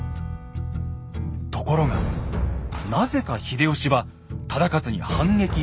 ところがなぜか秀吉は忠勝に反撃しません。